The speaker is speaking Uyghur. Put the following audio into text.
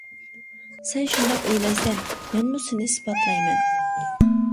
سەن شۇنداق ئويلايسەن، مەنمۇ سېنى ئىسپاتلايمەن.